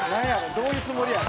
どういうつもりやろ？